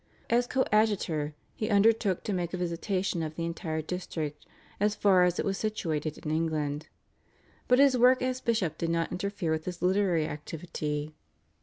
As coadjutor he undertook to make a visitation of the entire district as far as it was situated in England. But his work as bishop did not interfere with his literary activity.